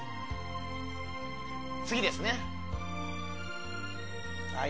次ですね。